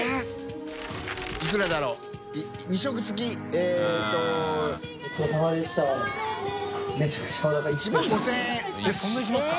えっそんないきますか？